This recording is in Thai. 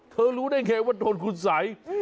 รู้ได้ไงว่าโดนคุณสัย